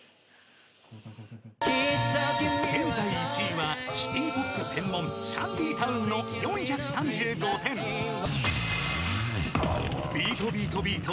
［現在１位はシティポップ専門シャンディタウンの４３５点］［ビート・ビート・ビート。